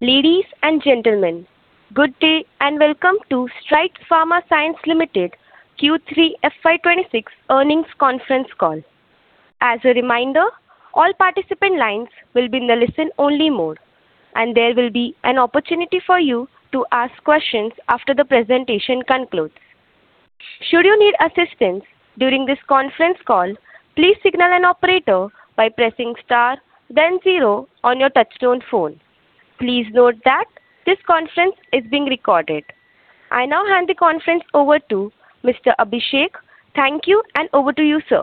Ladies and gentlemen, good day, and welcome to Strides Pharma Science Limited Q3 FY 2026 earnings conference call. As a reminder, all participant lines will be in the listen-only mode, and there will be an opportunity for you to ask questions after the presentation concludes. Should you need assistance during this conference call, please signal an operator by pressing star then zero on your touchtone phone. Please note that this conference is being recorded. I now hand the conference over to Mr. Abhishek. Thank you, and over to you, sir.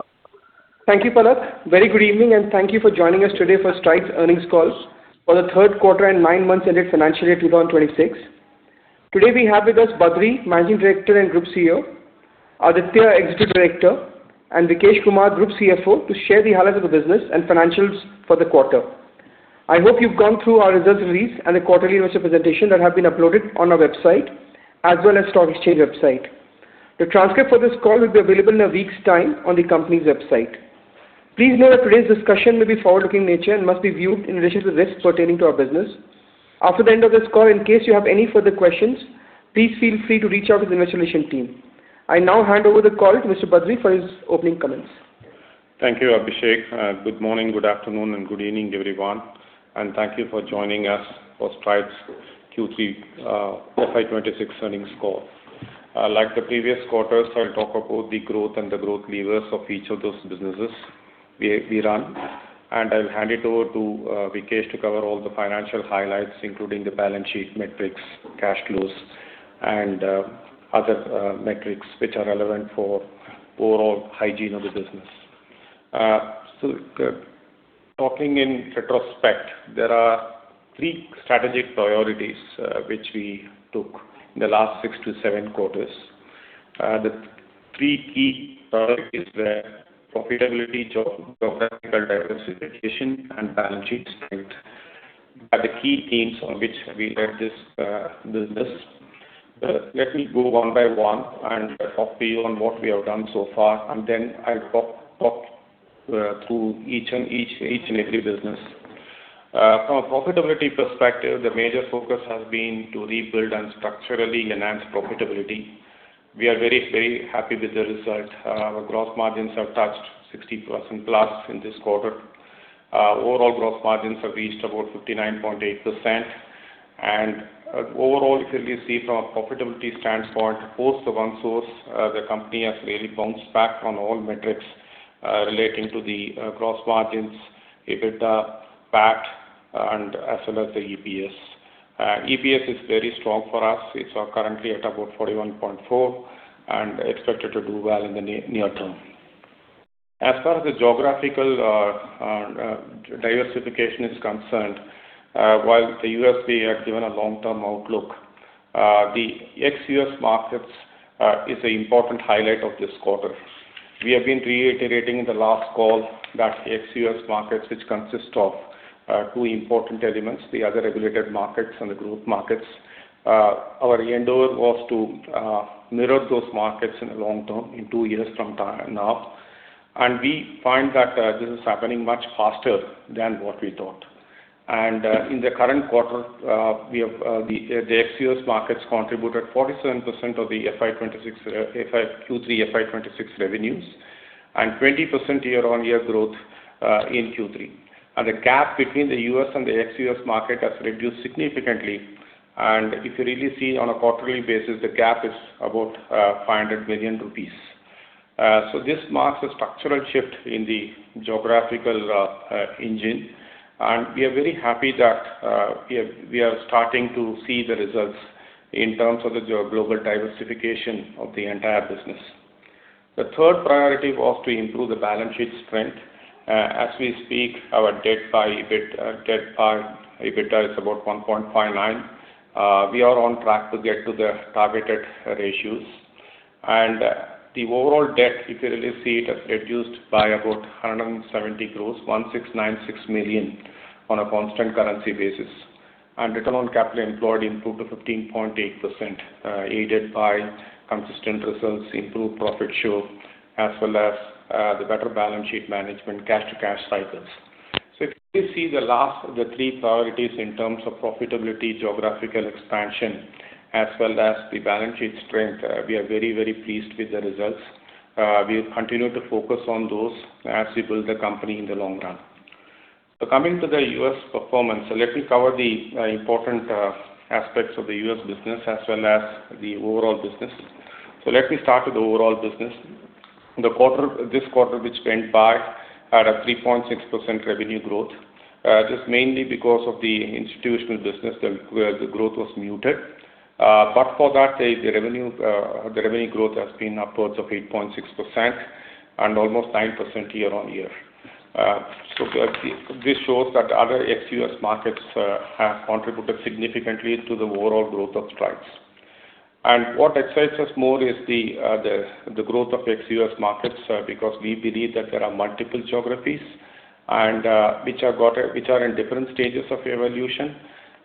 Thank you, Palak. Very good evening, and thank you for joining us today for Strides earnings calls for the third quarter and nine months ended financial year 2026. Today, we have with us Badree, Managing Director and Group CEO, Aditya, Executive Director, and Vikesh Kumar, Group CFO, to share the highlights of the business and financials for the quarter. I hope you've gone through our results release and the quarterly investor presentation that have been uploaded on our website, as well as stock exchange website. The transcript for this call will be available in a week's time on the company's website. Please note that today's discussion may be forward-looking in nature and must be viewed in relation to risks pertaining to our business. After the end of this call, in case you have any further questions, please feel free to reach out to the investor relation team. I now hand over the call to Mr. Badree for his opening comments. Thank you, Abhishek, good morning, good afternoon, and good evening, everyone, and thank you for joining us for Strides Q3, FY 2026 earnings call. Like the previous quarters, I'll talk about the growth and the growth levers of each of those businesses we, we run, and I'll hand it over to Vikesh to cover all the financial highlights, including the balance sheet metrics, cash flows, and other metrics which are relevant for overall hygiene of the business. So, talking in retrospect, there are three strategic priorities which we took in the last 6-7 quarters. The three key priorities were profitability, geographical diversification, and balance sheet strength are the key themes on which we led this business. Let me go one by one and update you on what we have done so far, and then I'll talk through each and every business. From a profitability perspective, the major focus has been to rebuild and structurally enhance profitability. We are very, very happy with the result. Our gross margins have touched 60%+ in this quarter. Overall, gross margins have reached about 59.8%. Overall, if you really see from a profitability standpoint, post the OneSource, the company has really bounced back on all metrics relating to the gross margins, EBITDA, PAT, and as well as the EPS. EPS is very strong for us. It's currently at about 41.4, and expected to do well in the near term. As far as the geographical diversification is concerned, while the U.S., we have given a long-term outlook, the ex-U.S. markets is an important highlight of this quarter. We have been reiterating in the last call that ex-U.S. markets, which consist of two important elements, the other regulated markets and the growth markets. Our endeavor was to mirror those markets in the long term, in two years from now, and we find that this is happening much faster than what we thought. In the current quarter, we have the ex-U.S. markets contributed 47% of the FY 2026 Q3 FY 2026 revenues and 20% year-on-year growth in Q3. And the gap between the U.S. and the ex-U.S. market has reduced significantly, and if you really see on a quarterly basis, the gap is about 500 million rupees. So this marks a structural shift in the geographical engine, and we are very happy that we are starting to see the results in terms of the global diversification of the entire business. The third priority was to improve the balance sheet strength. As we speak, our debt by EBITDA is about 1.59. We are on track to get to the targeted ratios. And the overall debt, if you really see, it has reduced by about 170 crore, 1,696 million on a constant currency basis. Return on capital employed improved to 15.8%, aided by consistent results, improved profitability, as well as the better balance sheet management cash-to-cash cycles. So if you see the last three priorities in terms of profitability, geographical expansion, as well as the balance sheet strength, we are very, very pleased with the results. We'll continue to focus on those as we build the company in the long run. So coming to the U.S. performance, so let me cover the important aspects of the U.S. business as well as the overall business. So let me start with the overall business. This quarter, which went by at a 3.6% revenue growth, just mainly because of the institutional business then, where the growth was muted. But for that, the revenue growth has been upwards of 8.6% and almost 9% year-on-year. So this shows that other ex-U.S. markets have contributed significantly to the overall growth of Strides. And what excites us more is the growth of ex-U.S. markets because we believe that there are multiple geographies and which are in different stages of evolution.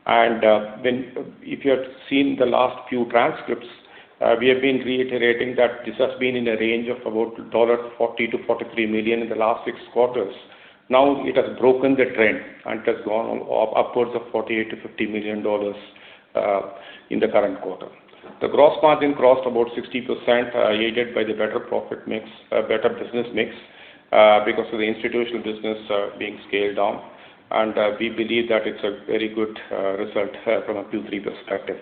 If you have seen the last few transcripts, we have been reiterating that this has been in the range of about $40 million-$43 million in the last six quarters. Now, it has broken the trend and has gone up, upwards of $48 million-$50 million in the current quarter. The gross margin crossed about 60%, aided by the better profit mix, better business mix, because of the institutional business being scaled down. We believe that it's a very good result from a Q3 perspective.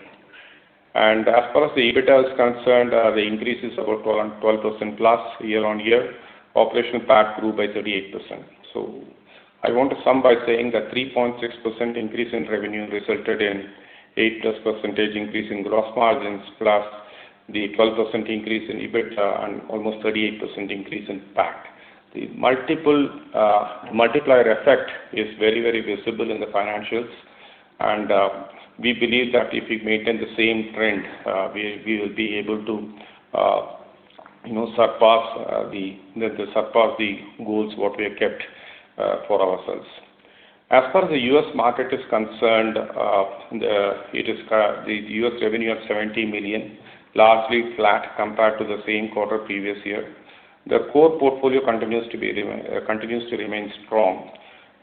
As far as the EBITDA is concerned, the increase is about around 12%+ year-on-year. Operational PAT grew by 38%. So I want to sum by saying that 3.6% increase in revenue resulted in 8%+ increase in gross margins, plus the 12% increase in EBITDA, and almost 38% increase in PAT. The multiple, multiplier effect is very, very visible in the financials, and, we believe that if we maintain the same trend, we will be able to, you know, surpass the goals what we have kept, for ourselves. As far as the U.S. market is concerned, it is currently the U.S. revenue of $70 million, largely flat compared to the same quarter previous year. The core portfolio continues to remain strong,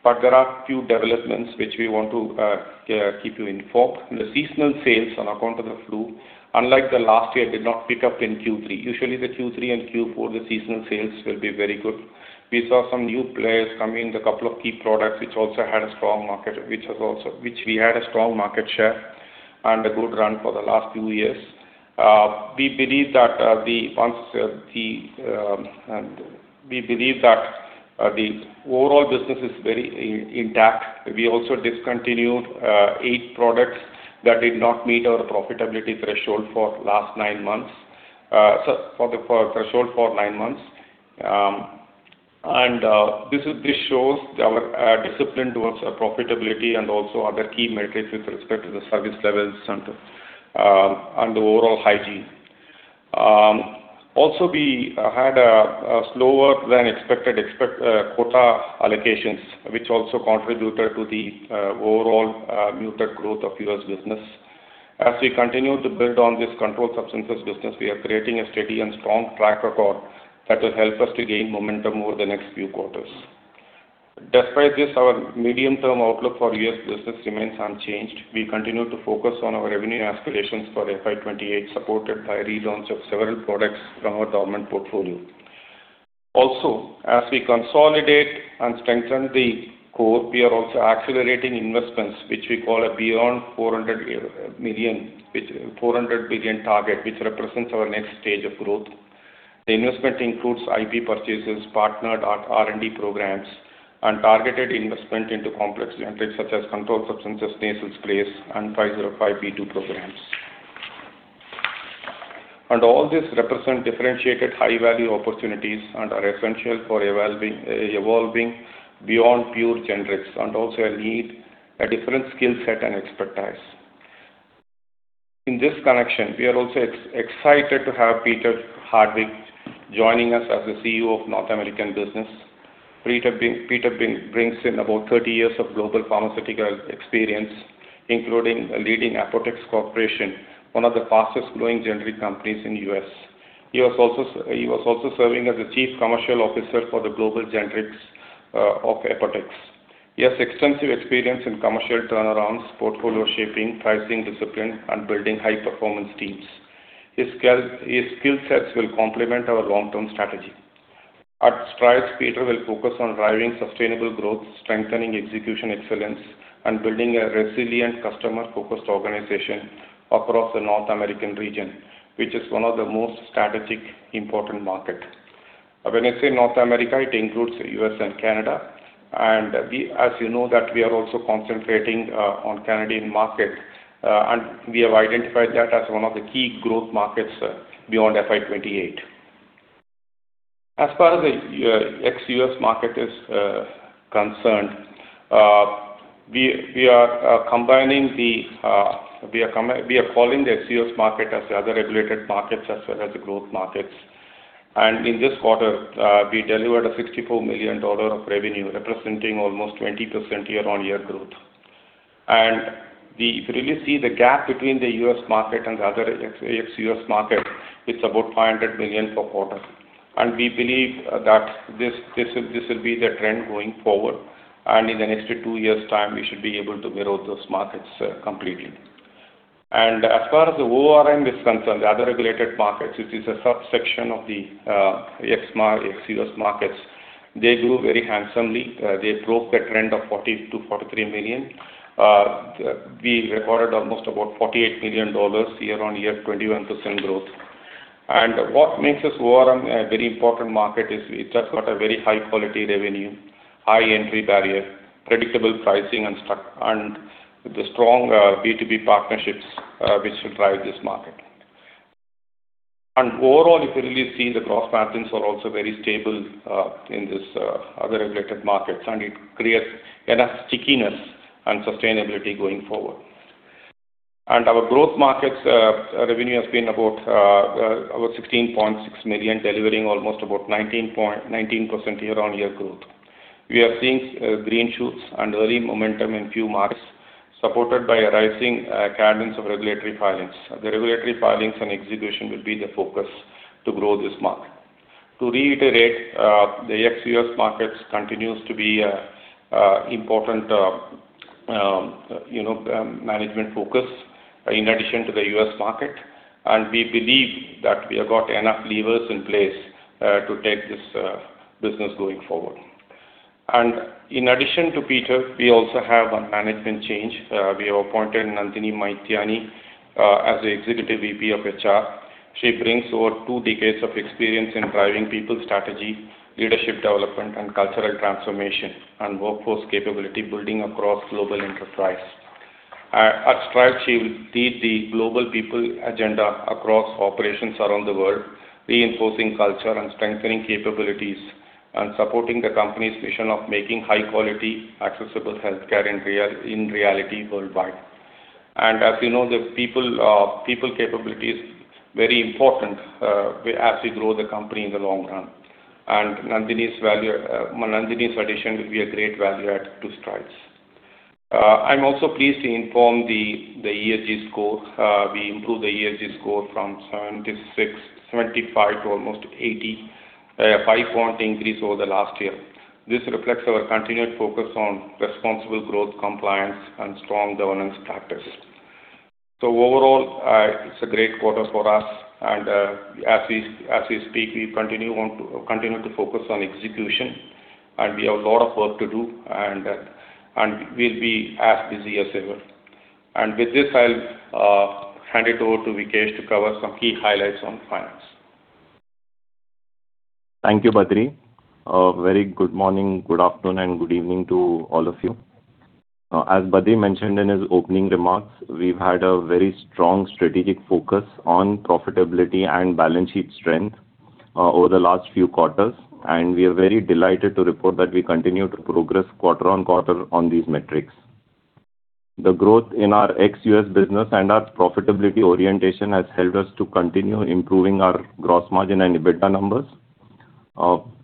but there are a few developments which we want to keep you informed. The seasonal sales on account of the flu, unlike the last year, did not pick up in Q3. Usually, the Q3 and Q4, the seasonal sales will be very good. We saw some new players come in, a couple of key products, which also had a strong market, which we had a strong market share and a good run for the last few years. We believe that the overall business is very intact. We also discontinued eight products that did not meet our profitability threshold for last nine months, so for the threshold for nine months. This shows our discipline towards our profitability and also other key metrics with respect to the service levels and the overall hygiene. Also we had a slower than expected quota allocations, which also contributed to the overall muted growth of U.S. business. As we continue to build on this controlled substances business, we are creating a steady and strong track record that will help us to gain momentum over the next few quarters. Despite this, our medium-term outlook for U.S. business remains unchanged. We continue to focus on our revenue aspirations for FY 2028, supported by relaunch of several products from our dormant portfolio. Also, as we consolidate and strengthen the core, we are also accelerating investments, which we call a beyond 400 million, which 400 billion target, which represents our next stage of growth. The investment includes IP purchases, partnered R&D programs, and targeted investment into complex generics, such as controlled substances, nasal sprays, and 505(b)(2) programs. And all these represent differentiated high-value opportunities and are essential for evolving, evolving beyond pure generics, and also a need, a different skill set and expertise. In this connection, we are also excited to have Peter Hardwick joining us as the CEO of North American business. Peter brings in about 30 years of global pharmaceutical experience, including leading Apotex Corporation, one of the fastest growing generic companies in U.S. He was also serving as the Chief Commercial Officer for the global generics of Apotex. He has extensive experience in commercial turnarounds, portfolio shaping, pricing discipline, and building high-performance teams. His skill sets will complement our long-term strategy. At Strides, Peter will focus on driving sustainable growth, strengthening execution excellence, and building a resilient, customer-focused organization across the North American region, which is one of the most strategic, important market. When I say North America, it includes U.S. and Canada, and we—as you know, that we are also concentrating on Canadian market, and we have identified that as one of the key growth markets, beyond FY 2028. As far as the ex-U.S. market is concerned, we are calling the ex-U.S. market as the other regulated markets as well as the growth markets. And in this quarter, we delivered $64 million of revenue, representing almost 20% year-on-year growth. And we could really see the gap between the U.S. market and the other ex-U.S. market, it's about $500 million per quarter. We believe that this, this, this will be the trend going forward, and in the next two years' time, we should be able to narrow those markets completely. As far as the ORM is concerned, the other regulated markets, which is a subsection of the ex-U.S. markets, they grew very handsomely. They broke the trend of $40 million-$43 million. We recorded almost about $48 million, year-on-year, 21% growth. And what makes this ORM a very important market is it has got a very high-quality revenue, high entry barrier, predictable pricing, and the strong B2B partnerships which will drive this market. And overall, you can really see the gross margins are also very stable in this other regulated markets, and it creates enough stickiness and sustainability going forward. Our growth markets revenue has been about $16.6 million, delivering almost 19% year-on-year growth. We are seeing green shoots and early momentum in few markets, supported by a rising cadence of regulatory filings. The regulatory filings and execution will be the focus to grow this market. To reiterate, the ex-U.S. markets continues to be important, you know, management focus in addition to the U.S. market, and we believe that we have got enough levers in place to take this business going forward. And in addition to Peter, we also have a management change. We have appointed Nandini Matiyani as the Executive VP of HR. She brings over two decades of experience in driving people strategy, leadership development, and cultural transformation, and workforce capability building across global enterprise. At Strides, she will lead the global people agenda across operations around the world, reinforcing culture and strengthening capabilities, and supporting the company's mission of making high quality, accessible healthcare in reality, worldwide. And as you know, the people capability is very important as we grow the company in the long run. And Nandini's addition will be a great value add to Strides. I'm also pleased to inform the ESG score. We improved the ESG score from 76, 75 to almost 80, 5-point increase over the last year. This reflects our continued focus on responsible growth, compliance, and strong governance practices. So overall, it's a great quarter for us, and as we speak, we continue to focus on execution, and we have a lot of work to do, and we'll be as busy as ever. And with this, I'll hand it over to Vikesh to cover some key highlights on finance. Thank you, Badree. Very good morning, good afternoon, and good evening to all of you. As Badree mentioned in his opening remarks, we've had a very strong strategic focus on profitability and balance sheet strength over the last few quarters, and we are very delighted to report that we continue to progress quarter-on-quarter on these metrics. The growth in our ex-U.S. business and our profitability orientation has helped us to continue improving our gross margin and EBITDA numbers.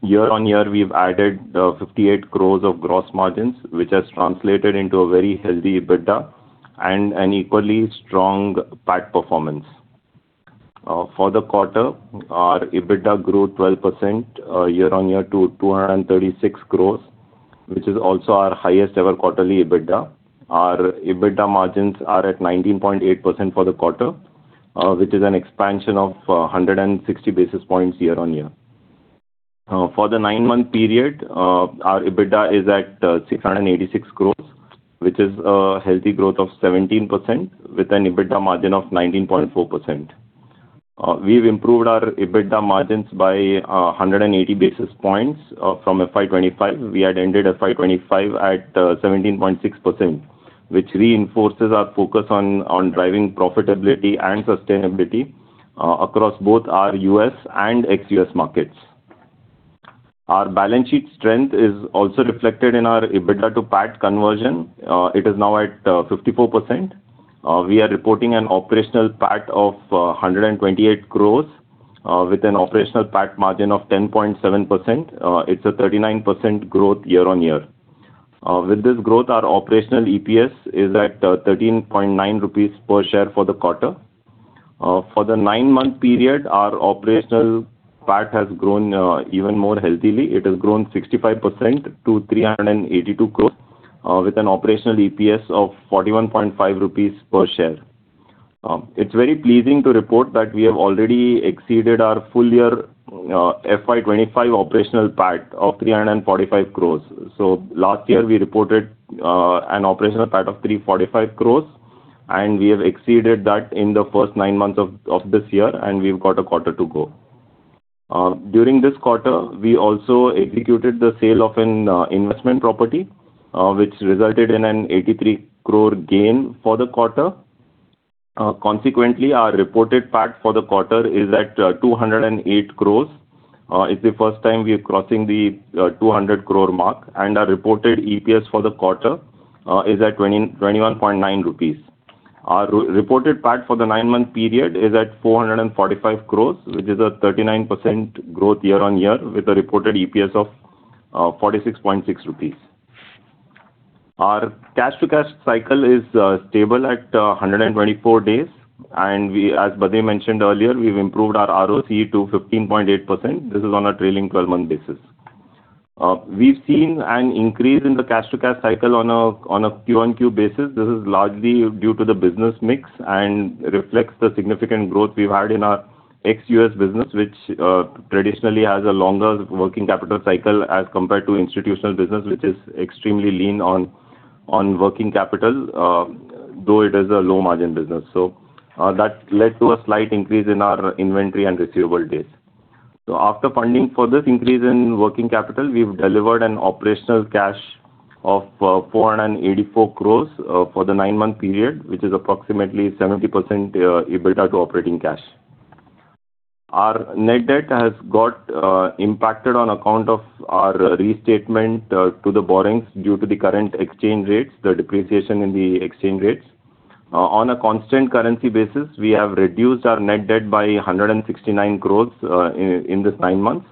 Year-on-year, we've added 58 crores of gross margins, which has translated into a very healthy EBITDA, and an equally strong PAT performance. For the quarter, our EBITDA grew 12% year-on-year to 236 crores, which is also our highest ever quarterly EBITDA. Our EBITDA margins are at 19.8% for the quarter, which is an expansion of 160 basis points year-on-year. For the nine-month period, our EBITDA is at 686 crores, which is a healthy growth of 17% with an EBITDA margin of 19.4%. We've improved our EBITDA margins by 180 basis points from FY 2025. We had ended FY 2025 at 17.6%, which reinforces our focus on, on driving profitability and sustainability across both our U.S. and ex-U.S. markets. Our balance sheet strength is also reflected in our EBITDA to PAT conversion. It is now at 54%. We are reporting an operational PAT of 128 crore, with an operational PAT margin of 10.7%. It's a 39% growth year-on-year. With this growth, our operational EPS is at 13.9 rupees per share for the quarter. For the nine-month period, our operational PAT has grown even more healthily. It has grown 65% to 382 crore, with an operational EPS of 41.5 rupees per share. It's very pleasing to report that we have already exceeded our full year FY 2025 operational PAT of 345 crore. So last year, we reported an operational PAT of 345 crore, and we have exceeded that in the first nine months of this year, and we've got a quarter to go. During this quarter, we also executed the sale of an investment property, which resulted in an 83 crore gain for the quarter. Consequently, our reported PAT for the quarter is at 208 crore. It's the first time we are crossing the 200 crore mark, and our reported EPS for the quarter is at 21.9 rupees. Our reported PAT for the nine-month period is at 445 crore, which is a 39% growth year-on-year, with a reported EPS of 46.6 rupees. Our cash to cash cycle is stable at 124 days, and as Badree mentioned earlier, we've improved our ROCE to 15.8%. This is on a trailing twelve-month basis. We've seen an increase in the cash to cash cycle on a QoQ basis. This is largely due to the business mix and reflects the significant growth we've had in our ex-U.S. business, which traditionally has a longer working capital cycle as compared to institutional business, which is extremely lean on working capital, though it is a low margin business. So that led to a slight increase in our inventory and receivable days. So after funding for this increase in working capital, we've delivered an operational cash of 484 crore for the nine-month period, which is approximately 70% EBITDA to operating cash. Our net debt has got impacted on account of our restatement to the borrowings due to the current exchange rates, the depreciation in the exchange rates. On a constant currency basis, we have reduced our net debt by 169 crore in this nine months.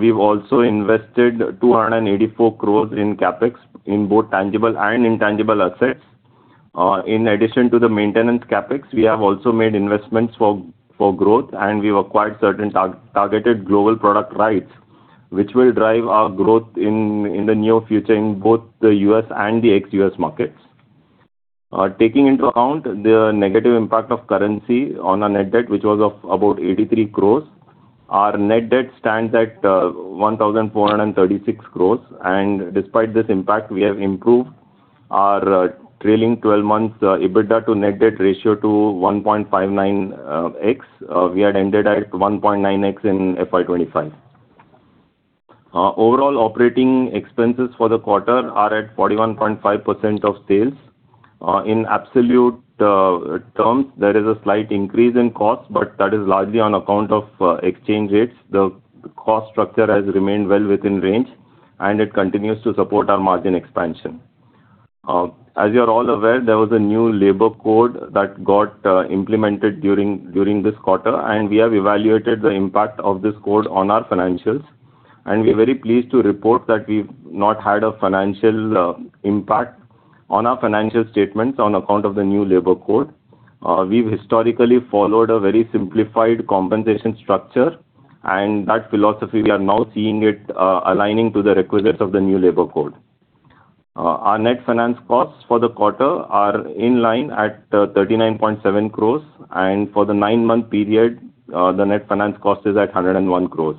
We've also invested 284 crore in CapEx in both tangible and intangible assets. In addition to the maintenance CapEx, we have also made investments for growth, and we've acquired certain targeted global product rights, which will drive our growth in the near future in both the U.S. and the ex-U.S. markets. Taking into account the negative impact of currency on our net debt, which was about 83 crore, our net debt stands at 1,436 crore. Despite this impact, we have improved our trailing 12 months EBITDA to net debt ratio to 1.59x. We had ended at 1.9x in FY 2025. Overall operating expenses for the quarter are at 41.5% of sales. In absolute terms, there is a slight increase in costs, but that is largely on account of exchange rates. The cost structure has remained well within range, and it continues to support our margin expansion. As you are all aware, there was a new labor code that got implemented during this quarter, and we have evaluated the impact of this code on our financials. We're very pleased to report that we've not had a financial impact on our financial statements on account of the new labor code. We've historically followed a very simplified compensation structure, and that philosophy, we are now seeing it aligning to the requisites of the new labor code. Our net finance costs for the quarter are in line at 39.7 crores, and for the nine-month period, the net finance cost is at 101 crores.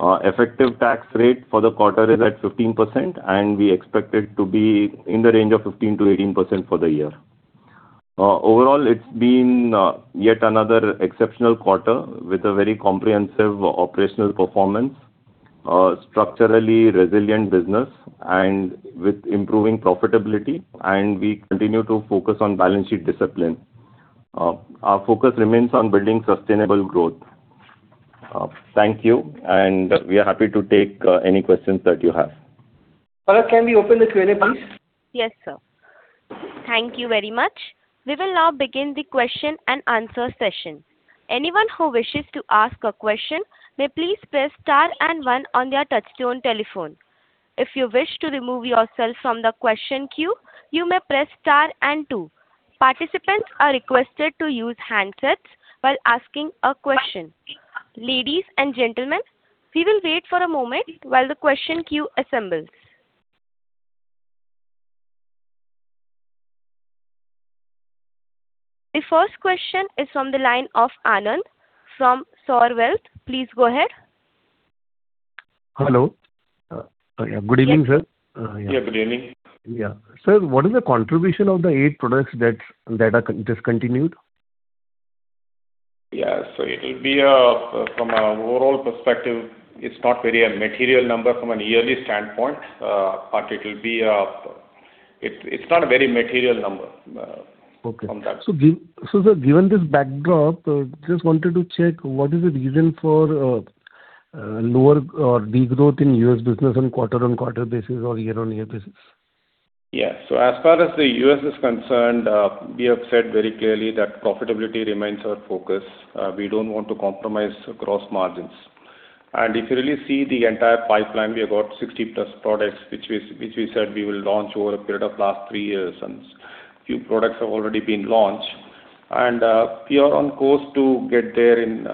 The effective tax rate for the quarter is at 15%, and we expect it to be in the range of 15%-18% for the year. Overall, it's been yet another exceptional quarter with a very comprehensive operational performance, structurally resilient business, and with improving profitability, and we continue to focus on balance sheet discipline. Our focus remains on building sustainable growth. Thank you, and we are happy to take any questions that you have. Palak, can we open the Q&A, please? Yes, sir. Thank you very much. We will now begin the question-and-answer session. Anyone who wishes to ask a question may please press star and one on their touchtone telephone. If you wish to remove yourself from the question queue, you may press star and two. Participants are requested to use handsets while asking a question. Ladies and gentlemen, we will wait for a moment while the question queue assembles. The first question is from the line of Anand from SOAR Wealth. Please go ahead. Hello. Good evening, sir. Yeah, good evening. Yeah. Sir, what is the contribution of the eight products that are discontinued? Yeah. So it'll be from an overall perspective, it's not very a material number from an yearly standpoint, but it will be, it's not a very material number from that. Okay. So, sir, given this backdrop, just wanted to check what is the reason for lower or degrowth in U.S. business on quarter-on-quarter basis or year-on-year basis? Yeah. So as far as the U.S. is concerned, we have said very clearly that profitability remains our focus. We don't want to compromise gross margins. And if you really see the entire pipeline, we have got 60+ products, which we said we will launch over a period of last three years, and few products have already been launched. And we are on course to get there in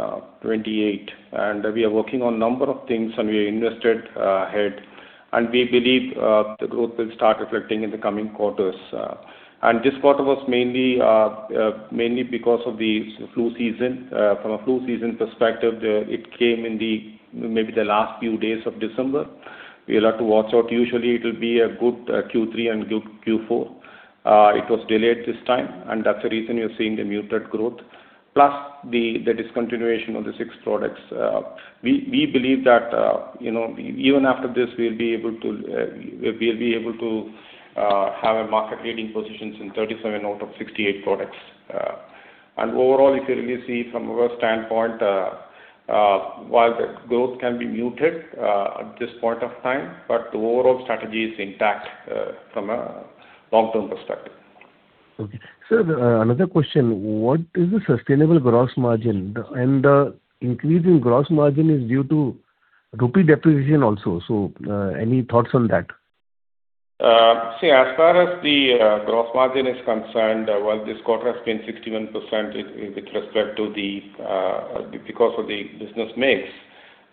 2028, and we are working on a number of things, and we invested ahead, and we believe the growth will start reflecting in the coming quarters. And this quarter was mainly because of the flu season. From a flu season perspective, it came in maybe the last few days of December. We'll have to watch out. Usually, it will be a good Q3 and good Q4. It was delayed this time, and that's the reason you're seeing the muted growth, plus the discontinuation of the six products. We believe that, you know, even after this, we'll be able to have market-leading positions in 37 out of 68 products. And overall, if you really see from our standpoint, while the growth can be muted at this point of time, but the overall strategy is intact from a long-term perspective. Okay. Sir, another question: What is the sustainable gross margin? The... and the increase in gross margin is due to rupee depreciation also. So, any thoughts on that? See, as far as the gross margin is concerned, well, this quarter has been 61% with respect to the because of the business mix,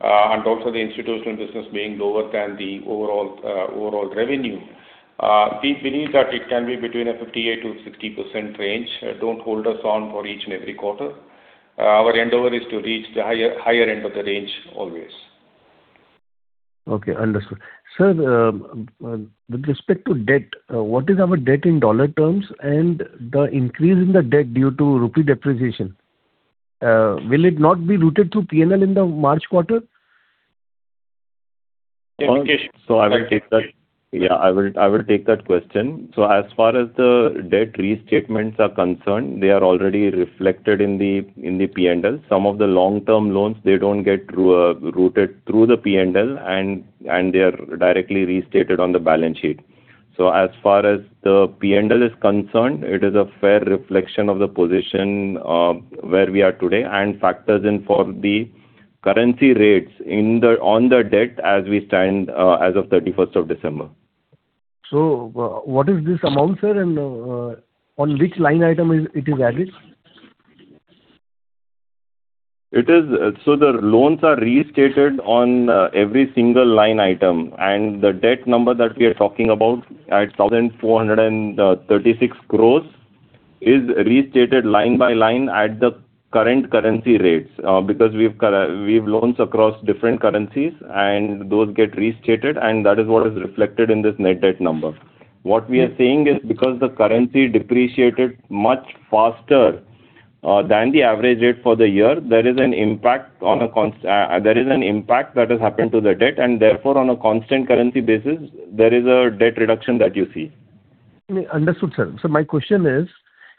and also the institutional business being lower than the overall, overall revenue. We believe that it can be between a 58%-60% range. Don't hold us to for each and every quarter. Our endeavor is to reach the higher, higher end of the range always. Okay, understood. Sir, with respect to debt, what is our debt in dollar terms and the increase in the debt due to rupee depreciation? Will it not be routed through P&L in the March quarter? So I will take that. Yeah, I will, I will take that question. So as far as the debt restatements are concerned, they are already reflected in the, in the P&L. Some of the long-term loans, they don't get through, routed through the P&L, and, and they are directly restated on the balance sheet. So as far as the P&L is concerned, it is a fair reflection of the position, where we are today, and factors in for the currency rates in the, on the debt as we stand, as of thirty-first of December. What is this amount, sir, and on which line item is it added? It is, so the loans are restated on every single line item, and the debt number that we are talking about, at 1,436 crores, is restated line by line at the current currency rates. Because we've got loans across different currencies and those get restated, and that is what is reflected in this net debt number. What we are seeing is because the currency depreciated much faster than the average rate for the year, there is an impact that has happened to the debt, and therefore, on a constant currency basis, there is a debt reduction that you see. Understood, sir. So my question is,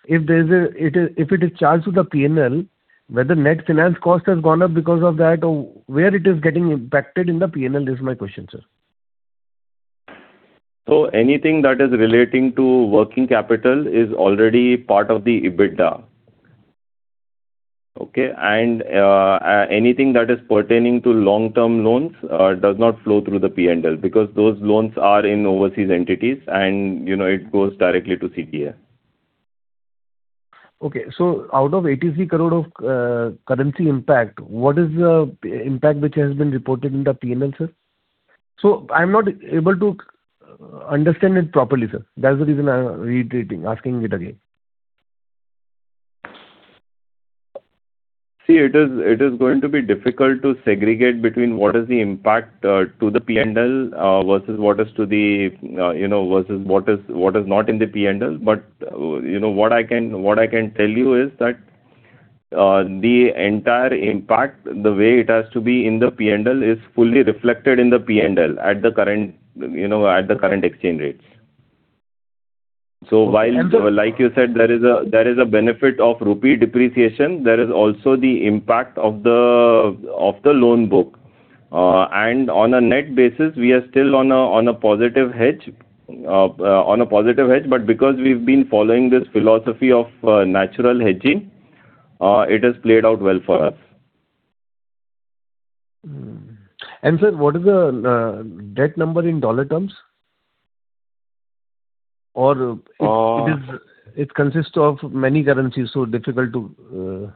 if it is charged to the P&L, whether net finance cost has gone up because of that, or where it is getting impacted in the P&L? This is my question, sir. So anything that is relating to working capital is already part of the EBITDA. Okay? And anything that is pertaining to long-term loans does not flow through the P&L, because those loans are in overseas entities and, you know, it goes directly to CTA. Okay. So out of 83 crore of currency impact, what is the impact which has been reported in the P&L, sir? So I'm not able to understand it properly, sir. That's the reason I'm reiterating, asking it again. See, it is going to be difficult to segregate between what is the impact to the P&L versus what is to the, you know, versus what is not in the P&L. But, you know, what I can tell you is that the entire impact, the way it has to be in the P&L, is fully reflected in the P&L at the current, you know, at the current exchange rates. So while- And the-... like you said, there is a benefit of rupee depreciation. There is also the impact of the loan book. And on a net basis, we are still on a positive hedge, but because we've been following this philosophy of natural hedging, it has played out well for us. Sir, what is the debt number in dollar terms? Or- Uh- It is, it consists of many currencies, so difficult to...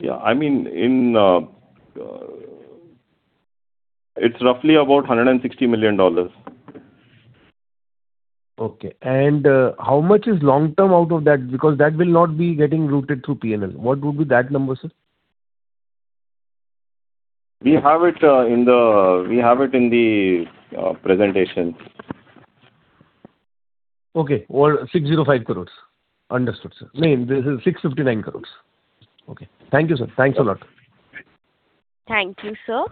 Yeah, I mean, it's roughly about $160 million. Okay. And, how much is long-term out of that? Because that will not be getting routed through P&L. What would be that number, sir? We have it in the presentation. Okay. Well, 605 crores. Understood, sir. I mean, this is 659 crores. Okay. Thank you, sir. Thanks a lot. Thank you, sir.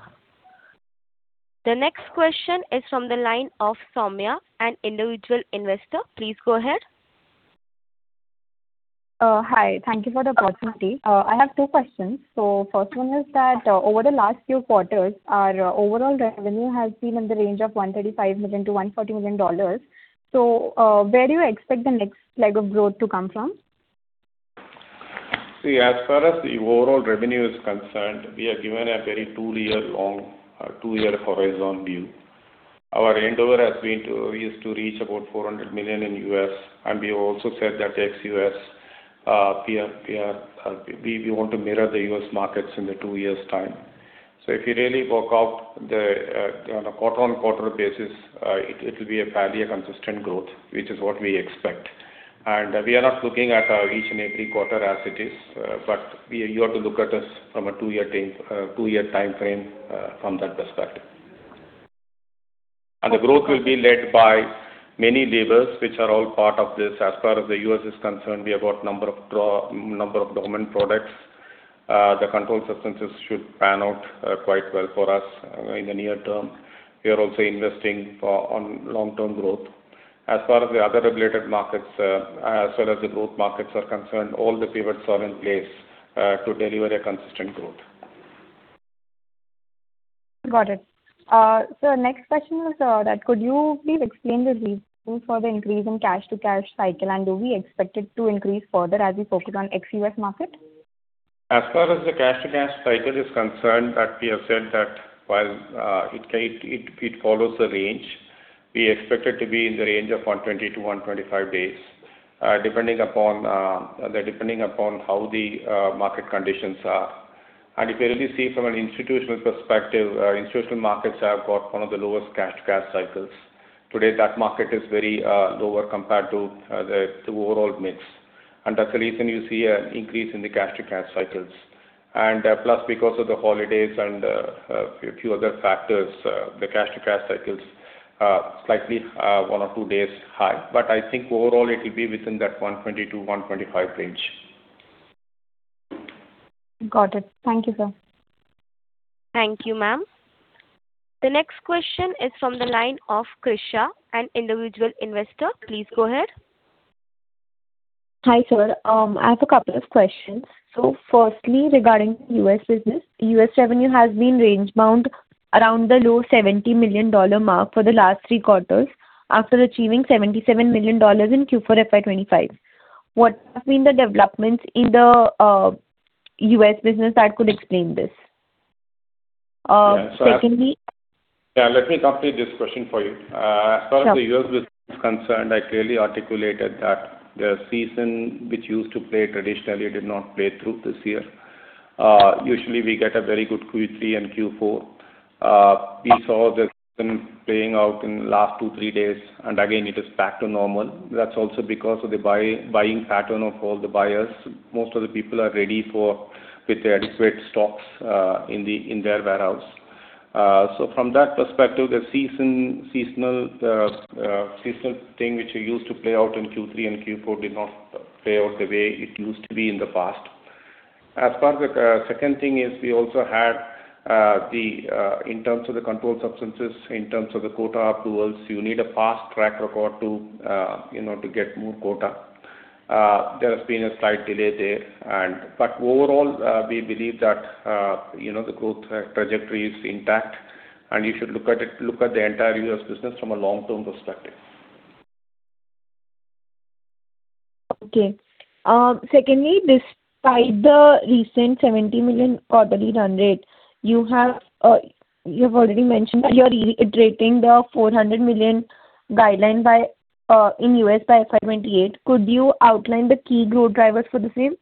The next question is from the line of [Soumya], an individual investor. Please go ahead. Hi. Thank you for the opportunity. I have two questions. So first one is that, over the last few quarters, our overall revenue has been in the range of $135 million-$140 million. So, where do you expect the next leg of growth to come from? See, as far as the overall revenue is concerned, we have given a very two-year-long, two-year horizon view. Our end goal has been to, is to reach about $400 million in U.S., and we have also said that ex-U.S., PR, PR, we, we want to mirror the U.S. markets in the two years' time. So if you really work out the, on a quarter-on-quarter basis, it, it will be a fairly consistent growth, which is what we expect. And we are not looking at, each and every quarter as it is, but we, you have to look at us from a two-year time, two-year time frame, from that perspective. And the growth will be led by many levers, which are all part of this. As far as the U.S. is concerned, we have got number of dormant products. The controlled substances should pan out quite well for us in the near term. We are also investing for, on long-term growth. As far as the other regulated markets, as well as the growth markets are concerned, all the pivots are in place to deliver a consistent growth. Got it. So next question is, could you please explain the reason for the increase in cash to cash cycle, and do we expect it to increase further as we focus on ex-U.S. market? As far as the cash to cash cycle is concerned, that we have said that while it follows the range, we expect it to be in the range of 120 days-125 days, depending upon how the market conditions are. And if you really see from an institutional perspective, institutional markets have got one of the lowest cash to cash cycles. Today, that market is very lower compared to the overall mix, and that's the reason you see an increase in the cash to cash cycles. And plus, because of the holidays and a few other factors, the cash to cash cycles are slightly one or two days high. But I think overall it will be within that 120 days-125 days range. Got it. Thank you, sir. Thank you, ma'am. The next question is from the line of [Krishna], an individual investor. Please go ahead. ... Hi, sir. I have a couple of questions. So firstly, regarding U.S. business, U.S. revenue has been range-bound around the low $70 million mark for the last three quarters, after achieving $77 million in Q4 FY 2025. What has been the developments in the U.S. business that could explain this? Secondly- Yeah, let me complete this question for you. Sure. As far as the U.S. business is concerned, I clearly articulated that the season which used to play traditionally did not play through this year. Usually we get a very good Q3 and Q4. We saw the season playing out in the last 2 days-3 days, and again, it is back to normal. That's also because of the buying pattern of all the buyers. Most of the people are ready, with their adequate stocks in their warehouse. So from that perspective, the seasonal thing which used to play out in Q3 and Q4 did not play out the way it used to be in the past. As far as the second thing is, we also had the, in terms of the controlled substances, in terms of the quota approvals, you need a fast track record to, you know, to get more quota. There has been a slight delay there and... But overall, we believe that, you know, the growth trajectory is intact, and you should look at it, look at the entire U.S. business from a long-term perspective. Okay. Secondly, despite the recent $70 million quarterly run rate, you have, you've already mentioned that you're reiterating the $400 million guideline by, in U.S. by FY 2028. Could you outline the key growth drivers for the same?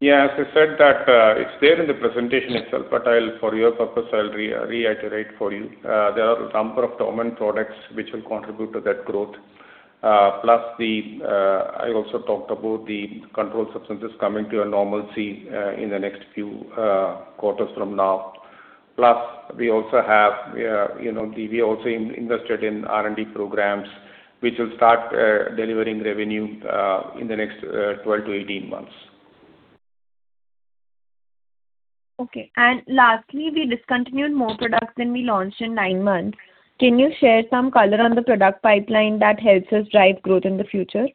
Yeah, as I said that, it's there in the presentation itself, but I'll, for your purpose, I'll reiterate for you. There are a number of dormant products which will contribute to that growth. Plus the, I also talked about the controlled substances coming to a normalcy in the next few quarters from now. Plus, we also have, you know, we, we also invested in R&D programs, which will start delivering revenue in the next 12 months-18 months. Okay. And lastly, we discontinued more products than we launched in nine months. Can you share some color on the product pipeline that helps us drive growth in the future?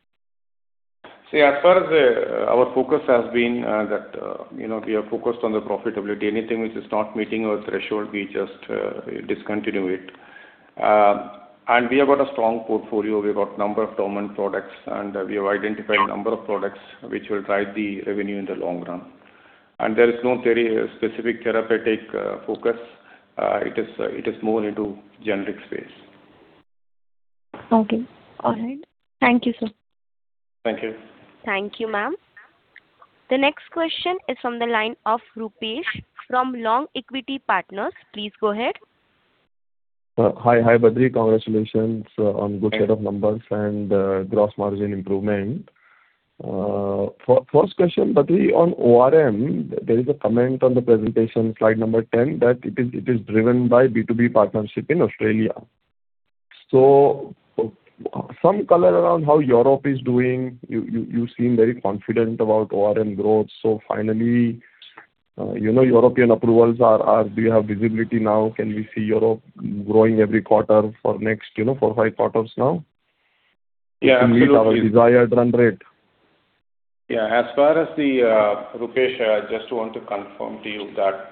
See, as far as, our focus has been, that, you know, we are focused on the profitability. Anything which is not meeting our threshold, we just, discontinue it. And we have got a strong portfolio. We've got number of dormant products, and we have identified a number of products which will drive the revenue in the long run. And there is no very specific therapeutic, focus. It is, it is more into generic space. Okay. All right. Thank you, sir. Thank you. Thank you, ma'am. The next question is from the line of Rupesh from Long Equity Partners. Please go ahead. Hi. Hi, Badree. Congratulations on good set- Thank you. - of numbers and gross margin improvement. First question, Badree, on ORM, there is a comment on the presentation, slide number 10, that it is driven by B2B partnership in Australia. So some color around how Europe is doing, you seem very confident about ORM growth. So finally, you know, European approvals are. Do you have visibility now? Can we see Europe growing every quarter for next, you know, four, five quarters now? Yeah, absolutely. To meet our desired run rate. Yeah, as far as the Rupesh, I just want to confirm to you that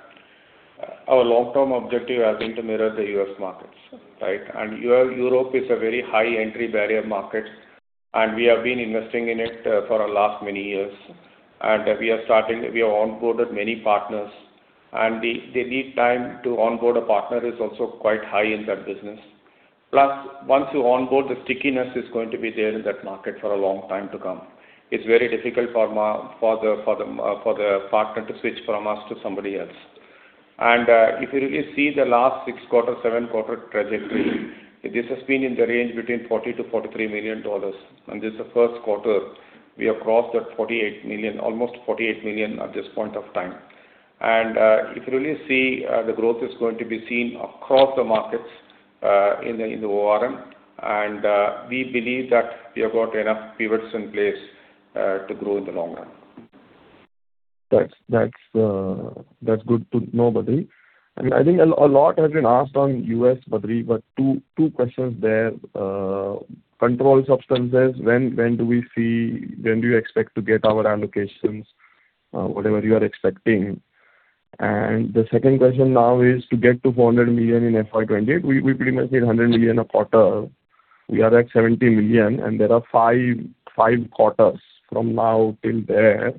our long-term objective has been to mirror the U.S. markets, right? And Europe is a very high entry barrier market, and we have been investing in it for the last many years. And we have onboarded many partners, and the lead time to onboard a partner is also quite high in that business. Plus, once you onboard, the stickiness is going to be there in that market for a long time to come. It's very difficult for the partner to switch from us to somebody else. And if you really see the last 6 quarter, 7 quarter trajectory, this has been in the range between $40 million-$43 million. And this is the first quarter we have crossed that 48 million, almost 48 million at this point of time. And, if you really see, the growth is going to be seen across the markets, in the ORM, and, we believe that we have got enough pivots in place, to grow in the long run. That's good to know, Badree. And I think a lot has been asked on U.S., Badree, but two questions there. Controlled substances, when do we see, when do you expect to get our allocations, whatever you are expecting? And the second question now is to get to $400 million in FY 2028, we pretty much need $100 million a quarter. We are at $70 million, and there are five quarters from now till there.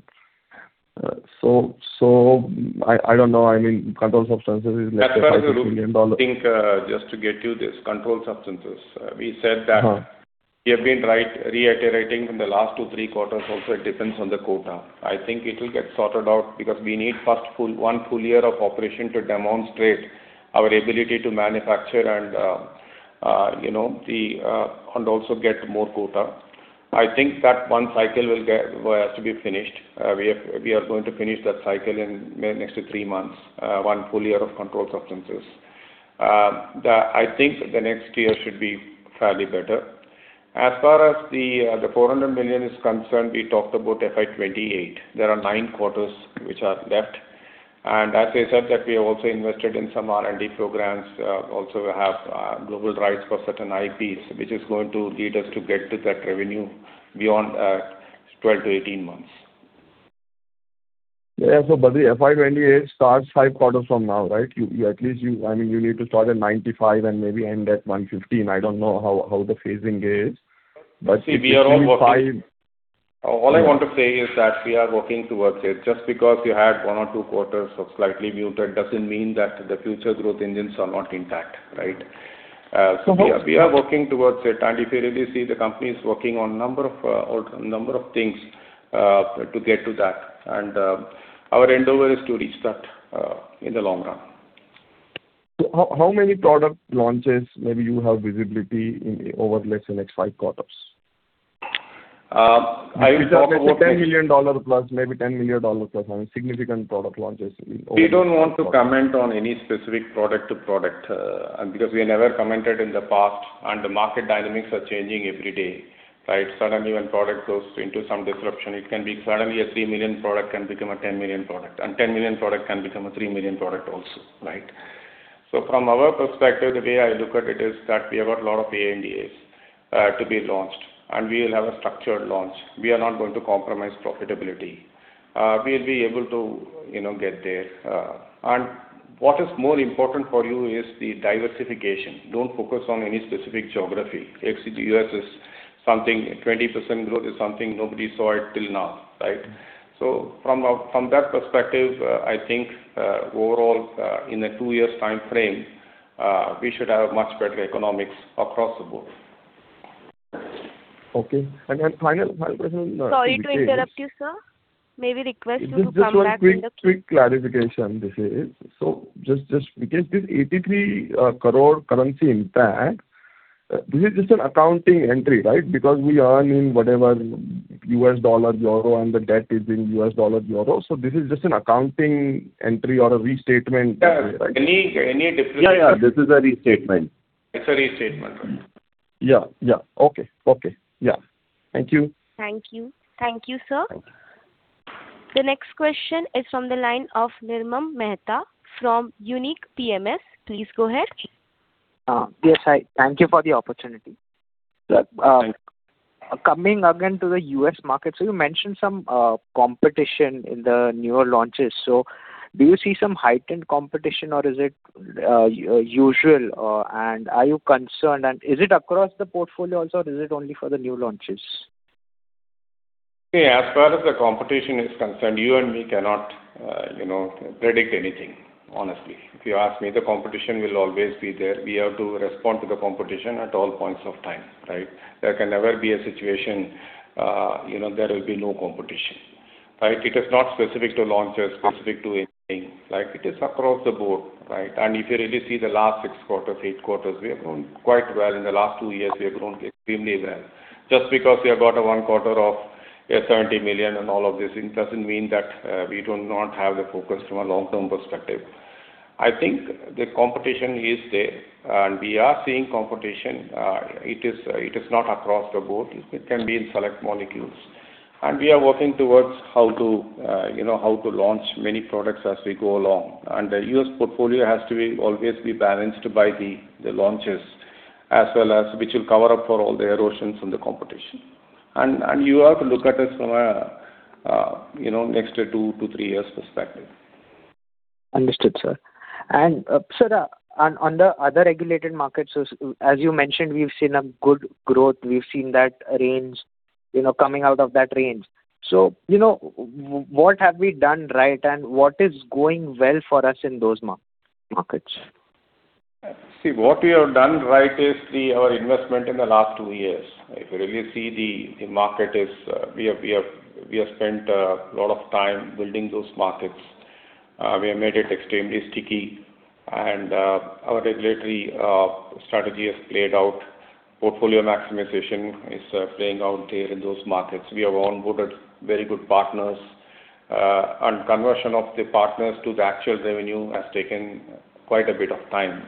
So, I don't know, I mean, controlled substances is approximately $1 million dollar- I think, just to get you this, controlled substances, we said that- Uh-hmm. We have been right reiterating from the last 2-3 quarters, also it depends on the quota. I think it will get sorted out because we need first full, one full year of operation to demonstrate our ability to manufacture and, you know, the, and also get more quota. I think that one cycle will get has to be finished. We have, we are going to finish that cycle in May next 2 months-3 months, one full year of controlled substances. I think the next year should be fairly better. As far as the $400 million is concerned, we talked about FY 2028. There are nine quarters which are left. As I said, that we have also invested in some R&D programs, also have global rights for certain IPs, which is going to lead us to get to that revenue beyond 12 months-18 months. Yeah, but the FY 2028 starts five quarters from now, right? You, you at least you—I mean, you need to start at 95 and maybe end at 115. I don't know how, how the phasing is, but- See, we are all working- Five- All I want to say is that we are working towards it. Just because you had one or two quarters of slightly muted, doesn't mean that the future growth engines are not intact, right? So what- So we are, we are working towards it. And if you really see, the company is working on number of, number of things, to get to that. And, our endeavor is to reach that, in the long run. So how many product launches maybe you have visibility in over, let's say, next five quarters? I will talk about- $10 million plus, maybe $10 million plus, I mean, significant product launches in over- We don't want to comment on any specific product to product, and because we never commented in the past, and the market dynamics are changing every day, right? Suddenly, when product goes into some disruption, it can be suddenly a $3 million product can become a $10 million product, and $10 million product can become a $3 million product also, right? So from our perspective, the way I look at it is that we have got a lot of ANDAs to be launched, and we will have a structured launch. We are not going to compromise profitability. We'll be able to, you know, get there. And what is more important for you is the diversification. Don't focus on any specific geography. Ex-U.S. is something, 20% growth is something nobody saw it till now, right? So from that perspective, I think, overall, in a two years time frame, we should have much better economics across the board. Okay. And then final, final question, Sorry to interrupt you, sir. May we request you to come back in the- Just one quick clarification. So just because this 83 crore currency impact, this is just an accounting entry, right? Because we earn in whatever U.S. dollar, euro, and the debt is in U.S. dollar, euro. So this is just an accounting entry or a restatement, right? Yeah. Any different- Yeah, yeah, this is a restatement. It's a restatement. Yeah, yeah. Okay, okay. Yeah. Thank you. Thank you. Thank you, sir. Thank you. The next question is from the line of Nirmam Mehta from Unique PMS. Please go ahead. Yes, hi. Thank you for the opportunity. Coming again to the U.S. market, so you mentioned some competition in the newer launches. So do you see some heightened competition, or is it usual? And are you concerned, and is it across the portfolio also, or is it only for the new launches? Yeah, as far as the competition is concerned, you and me cannot, you know, predict anything, honestly. If you ask me, the competition will always be there. We have to respond to the competition at all points of time, right? There can never be a situation, you know, there will be no competition, right? It is not specific to launches, specific to anything, right? It is across the board, right? And if you really see the last six quarters, eight quarters, we have grown quite well. In the last two years, we have grown extremely well. Just because we have got a one quarter of, $70 million and all of this, it doesn't mean that, we do not have the focus from a long-term perspective. I think the competition is there, and we are seeing competition. It is, it is not across the board. It can be in select molecules. We are working towards how to, you know, how to launch many products as we go along. The U.S. portfolio has to be obviously balanced by the launches, as well as which will cover up for all the erosions from the competition. You have to look at us from a, you know, next 2 years-3 years perspective. Understood, sir. And, sir, on the other regulated markets, as you mentioned, we've seen a good growth. We've seen that range, you know, coming out of that range. So, you know, what have we done right, and what is going well for us in those markets? See, what we have done right is our investment in the last two years. If you really see the market is, we have spent a lot of time building those markets. We have made it extremely sticky, and our regulatory strategy has played out. Portfolio maximization is playing out there in those markets. We have onboarded very good partners, and conversion of the partners to the actual revenue has taken quite a bit of time.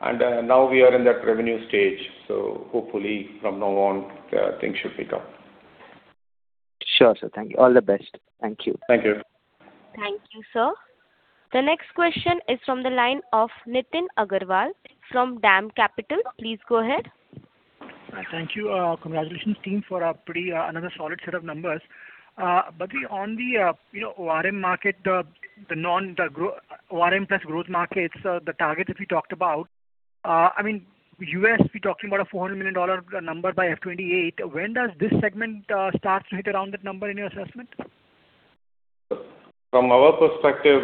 And now we are in that revenue stage, so hopefully from now on, things should pick up. Sure, sir. Thank you. All the best. Thank you. Thank you. Thank you, sir. The next question is from the line of Nitin Agarwal from DAM Capital. Please go ahead. Thank you. Congratulations, team, for a pretty, another solid set of numbers. But we on the, you know, ORM market, the ORM plus growth markets, the targets that we talked about, I mean, U.S., we're talking about a $400 million number by FY 2028. When does this segment start to hit around that number in your assessment? From our perspective,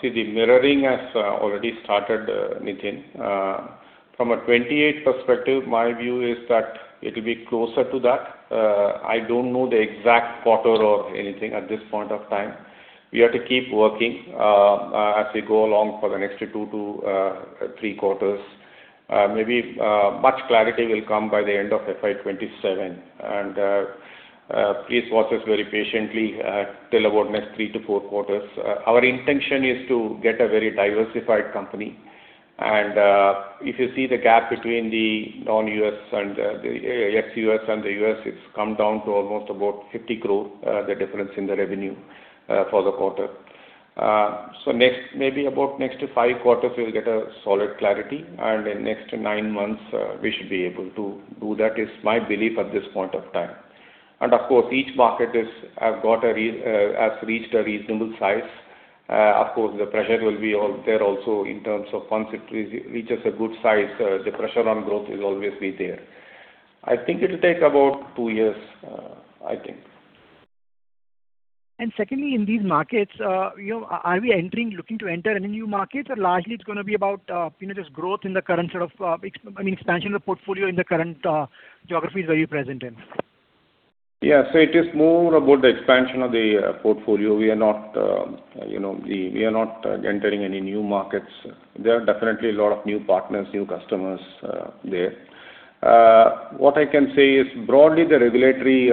see, the mirroring has already started, Nitin. From a 28 perspective, my view is that it'll be closer to that. I don't know the exact quarter or anything at this point of time. We have to keep working, as we go along for the next 2-3 quarters. Maybe much clarity will come by the end of FY 2027. And please watch us very patiently, till about next 3 to 4 quarters. Our intention is to get a very diversified company....And, if you see the gap between the non-U.S. and the ex-U.S. and the U.S., it's come down to almost about 50 crore, the difference in the revenue, for the quarter. So next, maybe about next to five quarters, we'll get a solid clarity, and in next to nine months, we should be able to do that, is my belief at this point of time. And of course, each market has reached a reasonable size. Of course, the pressure will be all there also in terms of once it reaches a good size, the pressure on growth will always be there. I think it'll take about two years, I think. And secondly, in these markets, you know, are we entering, looking to enter any new markets, or largely it's gonna be about, you know, just growth in the current set of, I mean, expansion of the portfolio in the current geographies where you're present in? Yeah. So it is more about the expansion of the portfolio. We are not, you know, we, we are not entering any new markets. There are definitely a lot of new partners, new customers, there. What I can say is, broadly, the regulatory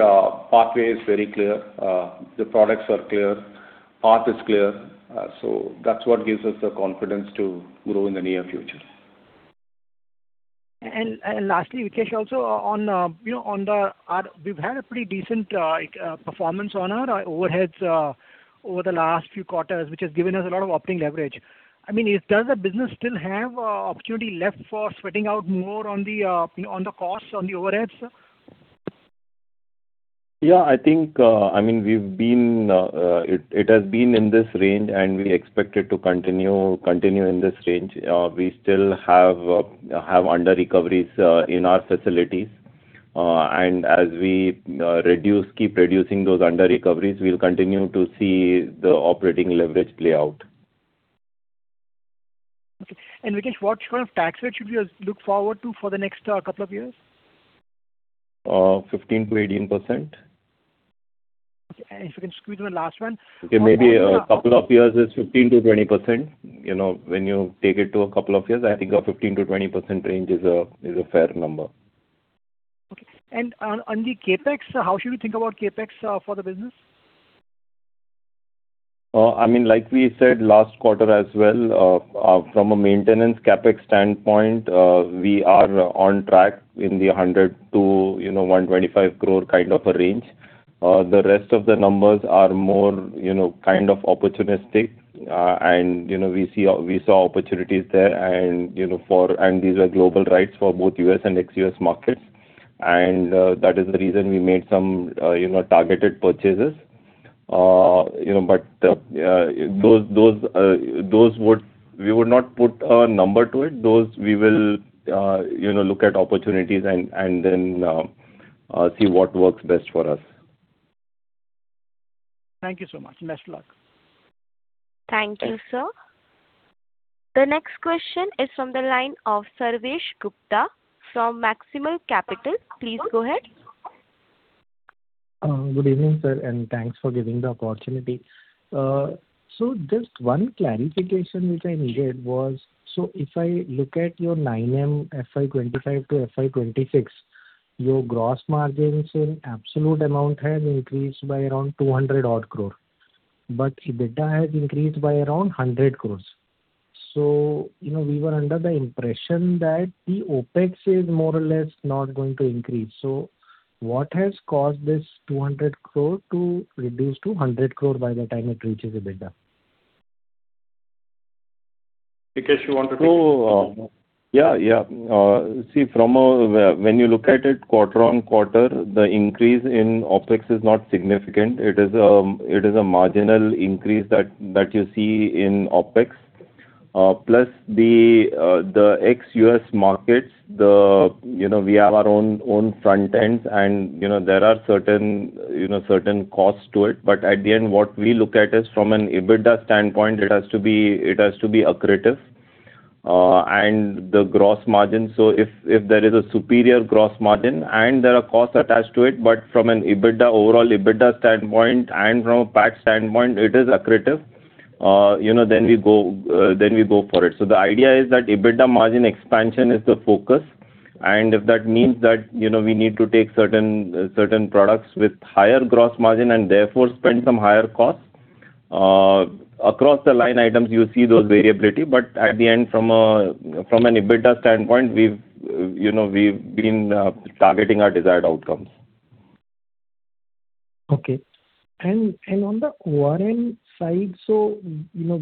pathway is very clear. The products are clear, path is clear, so that's what gives us the confidence to grow in the near future. And lastly, Vikesh, also on, you know, on our—we've had a pretty decent, like, performance on our overheads over the last few quarters, which has given us a lot of operating leverage. I mean, does the business still have opportunity left for sweating out more on the, on the costs, on the overheads? Yeah, I think, I mean, it has been in this range, and we expect it to continue in this range. We still have underrecoveries in our facilities. And as we keep reducing those underrecoveries, we'll continue to see the operating leverage play out. Okay. Vikesh, what kind of tax rate should we look forward to for the next couple of years? 15%-18%. Okay, and if you can squeeze in the last one? Okay, maybe a couple of years is 15%-20%. You know, when you take it to a couple of years, I think a 15%-20% range is a fair number. Okay. On the CapEx, how should we think about CapEx for the business? I mean, like we said last quarter as well, from a maintenance CapEx standpoint, we are on track in the 100 crore-125 crore kind of a range. The rest of the numbers are more, you know, kind of opportunistic. And, you know, we see, we saw opportunities there and, you know, And these are global rights for both U.S. and ex-U.S. markets, and, that is the reason we made some, you know, targeted purchases. You know, but, those, those, those would, we would not put a number to it. Those we will, you know, look at opportunities and, and then, see what works best for us. Thank you so much. Best luck. Thank you, sir. The next question is from the line of Sarvesh Gupta from Maximal Capital. Please go ahead. Good evening, sir, and thanks for giving the opportunity. So just one clarification which I needed was, so if I look at your 9M FY 2025 to FY 2026, your gross margins in absolute amount have increased by around 200 crore, but EBITDA has increased by around 100 crore. So, you know, we were under the impression that the OpEx is more or less not going to increase. So what has caused this 200 crore to reduce to 100 crore by the time it reaches EBITDA? Vikesh, you want to take this? So, see, from when you look at it quarter-on-quarter, the increase in OpEx is not significant. It is, it is a marginal increase that you see in OpEx. Plus the, the ex-U.S. markets, the, you know, we have our own front ends and, you know, there are certain, you know, certain costs to it. But at the end, what we look at is from an EBITDA standpoint, it has to be, it has to be accretive, and the gross margin. So if there is a superior gross margin and there are costs attached to it, but from an EBITDA, overall EBITDA standpoint and from a PAT standpoint, it is accretive, you know, then we go, then we go for it. So the idea is that EBITDA margin expansion is the focus, and if that means that, you know, we need to take certain certain products with higher gross margin and therefore spend some higher costs across the line items, you see those variability. But at the end, from a from an EBITDA standpoint, we've, you know, we've been targeting our desired outcomes. Okay. And on the ORM side, so, you know,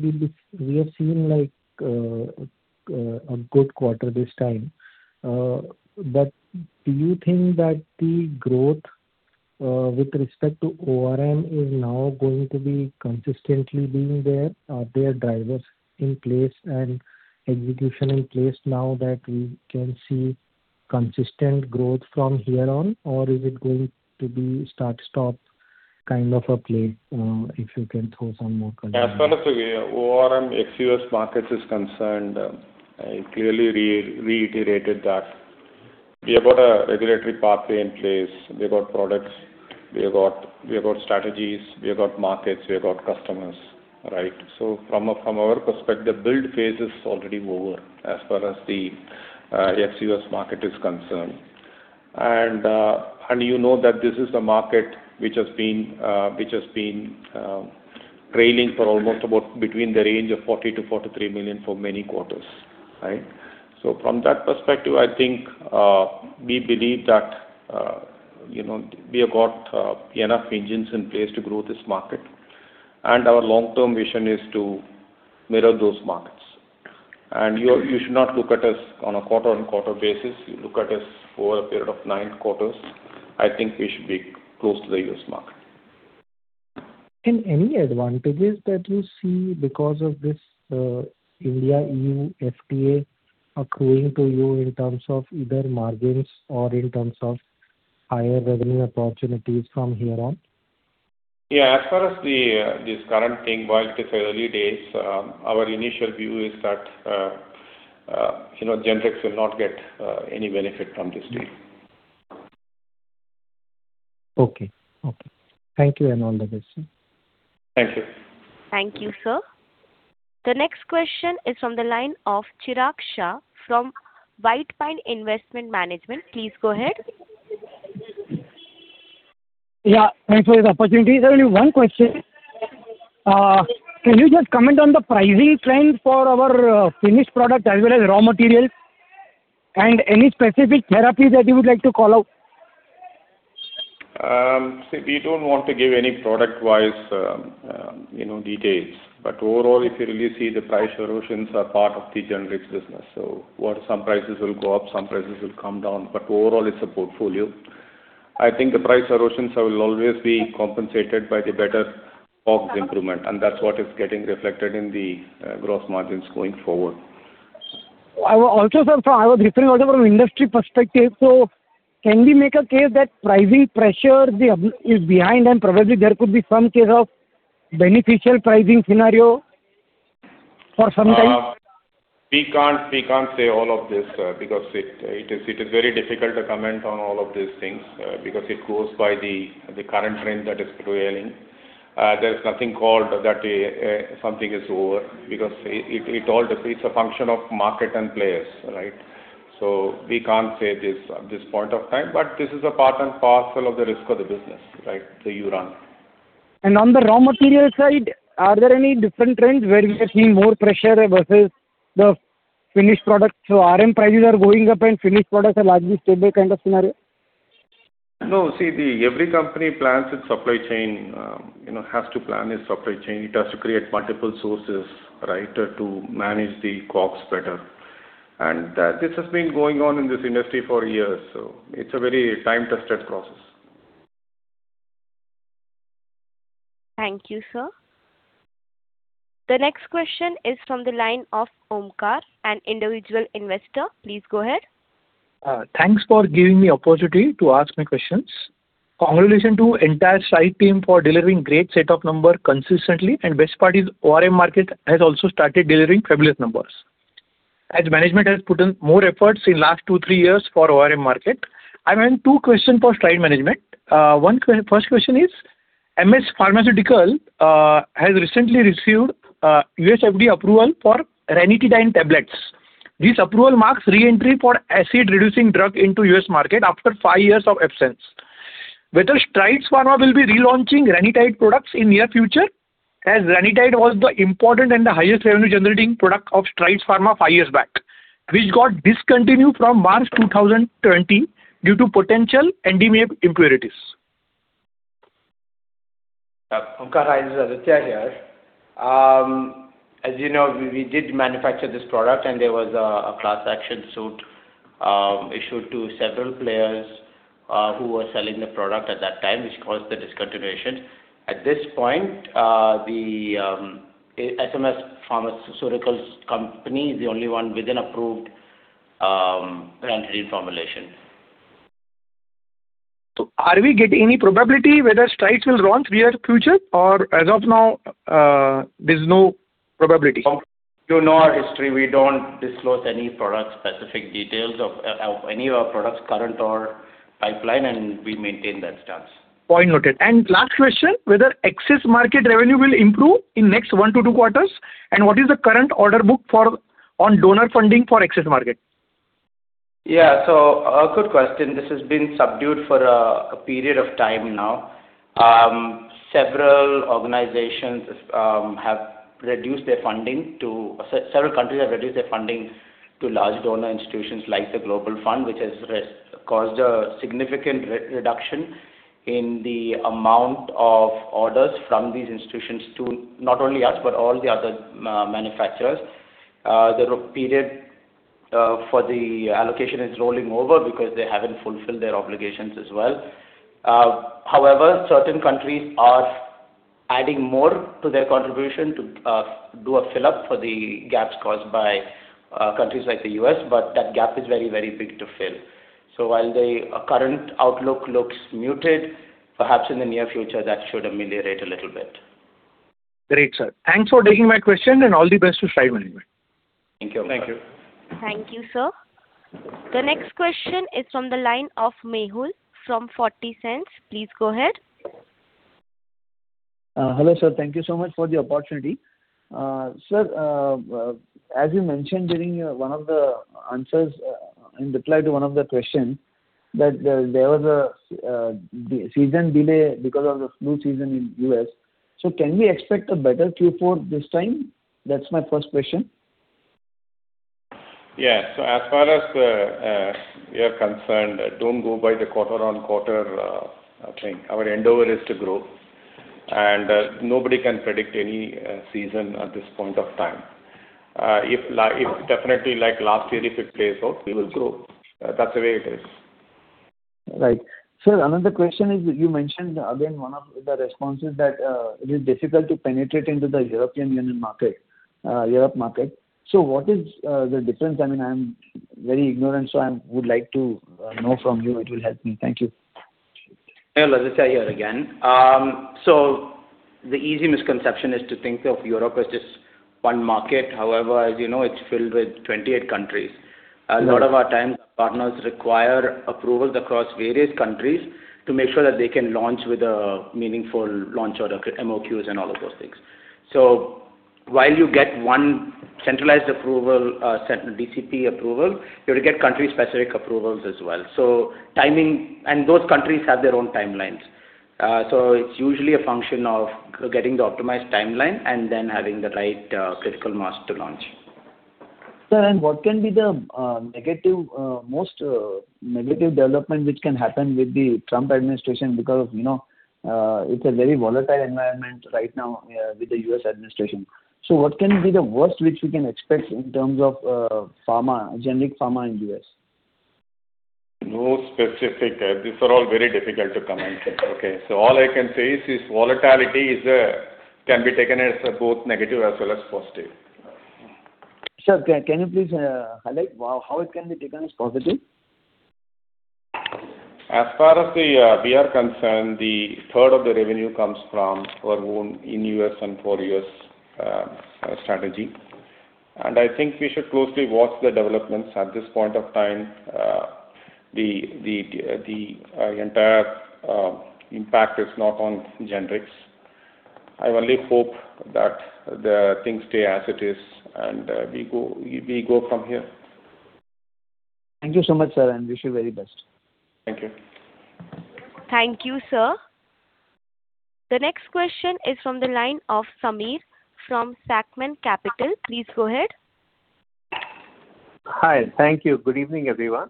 we are seeing, like, a good quarter this time. But do you think that the growth with respect to ORM is now going to be consistently being there? Are there drivers in place and execution in place now that we can see consistent growth from here on, or is it going to be start-stop kind of a play? If you can throw some more color. As far as the ORM ex-U.S. markets is concerned, I clearly reiterated that we have got a regulatory pathway in place, we've got products, we have got strategies, we have got markets, we have got customers, right? So from our perspective, the build phase is already over as far as the ex-U.S. market is concerned. And you know that this is a market which has been trailing for almost about between the range of $40 million-$43 million for many quarters, right? So from that perspective, I think we believe that you know, we have got enough engines in place to grow this market, and our long-term vision is to mirror those markets. And you should not look at us on a quarter-on-quarter basis. You look at us over a period of nine quarters, I think we should be close to the U.S. market. Any advantages that you see because of this India-EU FTA accruing to you in terms of either margins or in terms of higher revenue opportunities from here on? Yeah, as far as this current thing, while it's the early days, our initial view is that, you know, [Gentex] will not get any benefit from this deal. Okay. Okay. Thank you, and all the best, sir. Thank you. Thank you, sir. The next question is from the line of Chirag Shah from White Pine Investment Management. Please go ahead. Yeah, thanks for this opportunity. Sir, only one question. Can you just comment on the pricing trend for our finished product as well as raw materials, and any specific therapies that you would like to call out? So we don't want to give any product-wise, you know, details. But overall, if you really see the price erosions are part of the [Gentex] business. So what some prices will go up, some prices will come down, but overall, it's a portfolio. I think the price erosions will always be compensated by the better COGS improvement, and that's what is getting reflected in the gross margins going forward. I will also, sir, so I was referring also from industry perspective. So can we make a case that pricing pressure, the obvious is behind, and probably there could be some case of beneficial pricing scenario for some time? We can't, we can't say all of this, because it, it is, it is very difficult to comment on all of these things, because it goes by the, the current trend that is prevailing. There's nothing called that, something is over, because it, it, it all depends. It's a function of market and players, right? So we can't say this at this point of time, but this is a part and parcel of the risk of the business, right, so you run. On the raw material side, are there any different trends where we are seeing more pressure versus the finished products? So RM prices are going up and finished products are largely stable kind of scenario? No. See, every company plans its supply chain, you know, has to plan its supply chain. It has to create multiple sources, right, to manage the COGS better. And that, this has been going on in this industry for years, so it's a very time-tested process. Thank you, sir. The next question is from the line of [Omkar], an individual investor. Please go ahead. Thanks for giving me opportunity to ask my questions. Congratulations to entire Strides team for delivering great set of numbers consistently, and best part is ORM market has also started delivering fabulous numbers. As management has put in more efforts in last 2 years, 3 years for ORM market, I have two questions for Strides management. First question is, SMS Pharmaceuticals has recently received U.S. FDA approval for ranitidine tablets. This approval marks re-entry for acid-reducing drug into U.S. market after five years of absence. Whether Strides Pharma will be relaunching ranitidine products in near future, as ranitidine was the important and the highest revenue-generating product of Strides Pharma five years back, which got discontinued from March 2020 due to potential NDMA impurities? [Omkar], hi, this is Aditya here. As you know, we did manufacture this product, and there was a class action suit issued to several players who were selling the product at that time, which caused the discontinuation. At this point, the SMS Pharmaceuticals company is the only one with an approved ranitidine formulation. Are we getting any probability whether Strides will launch near future, or as of now, there's no probability? You know our history, we don't disclose any product-specific details of any of our products, current or pipeline, and we maintain that stance. Point noted. Last question, whether ex-U.S. market revenue will improve in next 1-2 quarters? What is the current order book for, on donor funding for ex-U.S. market? Yeah, so a good question. This has been subdued for a period of time now. Several organizations have reduced their funding to several countries have reduced their funding to large donor institutions like The Global Fund, which has caused a significant reduction in the amount of orders from these institutions to not only us, but all the other manufacturers. The period for the allocation is rolling over because they haven't fulfilled their obligations as well. However, certain countries are adding more to their contribution to do a fill-up for the gaps caused by countries like the U.S., but that gap is very, very big to fill. So while the current outlook looks muted, perhaps in the near future, that should ameliorate a little bit. Great, sir. Thanks for taking my question, and all the best to Strides management. Thank you. Thank you. Thank you, sir. The next question is from the line of Mehul from 40 Cents. Please go ahead.... Hello, sir. Thank you so much for the opportunity. Sir, as you mentioned during one of the answers in reply to one of the question, that there was a season delay because of the flu season in U.S. So can we expect a better Q4 this time? That's my first question. Yeah. So as far as we are concerned, don't go by the quarter-on-quarter thing. Our end goal is to grow, and nobody can predict any season at this point of time. If definitely, like last year, if it plays out, we will grow. That's the way it is. Right. Sir, another question is, you mentioned again, one of the responses that it is difficult to penetrate into the European Union market, Europe market. So what is the difference? I mean, I'm very ignorant, so I would like to know from you. It will help me. Thank you. Hey, Aditya here again. The easy misconception is to think of Europe as just one market. However, as you know, it's filled with 28 countries. Mm. A lot of our time, partners require approvals across various countries to make sure that they can launch with a meaningful launch order, MOQs and all of those things. So while you get one centralized approval, certain DCP approval, you'll get country-specific approvals as well. So timing... And those countries have their own timelines. So it's usually a function of getting the optimized timeline and then having the right, critical mass to launch. Sir, and what can be the most negative development which can happen with the Trump administration? Because, you know, it's a very volatile environment right now with the U.S. administration. So what can be the worst which we can expect in terms of pharma, generic pharma in the U.S.? No specifics. These are all very difficult to comment, okay? So all I can say is, this volatility is, can be taken as both negative as well as positive. Sir, can you please highlight how it can be taken as positive? As far as the we are concerned, the third of the revenue comes from our own in U.S. and for U.S. strategy. I think we should closely watch the developments. At this point of time, the entire impact is not on generics. I only hope that the things stay as it is, and we go from here. Thank you so much, sir, and wish you very best. Thank you. Thank you, sir. The next question is from the line of [Samit] from [Sacman Capital]. Please go ahead. Hi. Thank you. Good evening, everyone.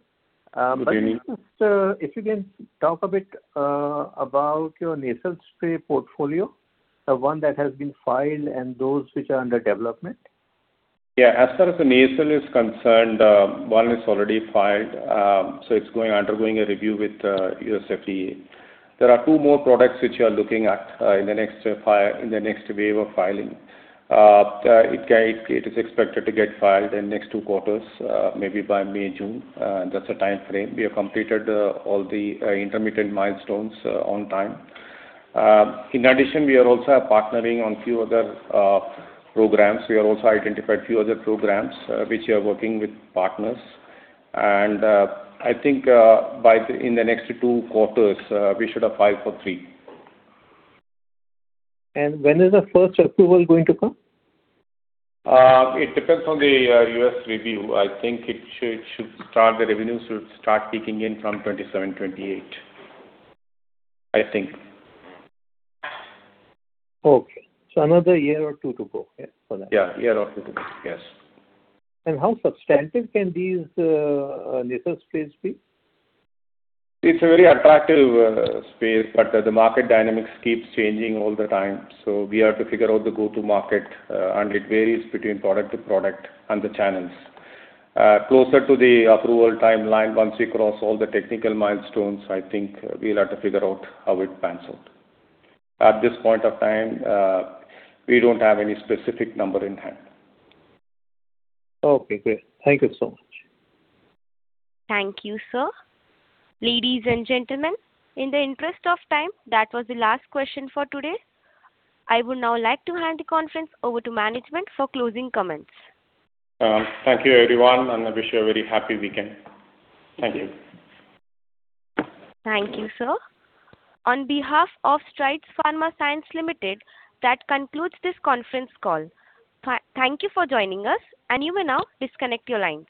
Good evening. Sir, if you can talk a bit about your nasal spray portfolio, the one that has been filed and those which are under development? Yeah, as far as the nasal is concerned, one is already filed. So it's undergoing a review with the U.S. FDA. There are two more products which we are looking at, in the next file, in the next wave of filing. It is expected to get filed in next two quarters, maybe by May, June. That's the time frame. We have completed all the intermittent milestones on time. In addition, we are also partnering on few other programs. We have also identified a few other programs, which we are working with partners, and I think, by the... In the next two quarters, we should have filed for three. When is the first approval going to come? It depends on the U.S. review. I think it should start, the revenues should start kicking in from 2027, 2028, I think. Okay. So another year or two to go? Yeah, for that. Yeah, a year or two to go. Yes. How substantive can these nasal sprays be? It's a very attractive space, but the market dynamics keeps changing all the time, so we have to figure out the go-to market, and it varies between product to product and the channels. Closer to the approval timeline, once we cross all the technical milestones, I think we'll have to figure out how it pans out. At this point of time, we don't have any specific number in hand. Okay, great. Thank you so much. Thank you, sir. Ladies and gentlemen, in the interest of time, that was the last question for today. I would now like to hand the conference over to management for closing comments. Thank you, everyone, and I wish you a very happy weekend. Thank you. Thank you, sir. On behalf of Strides Pharma Science Limited, that concludes this conference call. Thank you for joining us, and you may now disconnect your lines.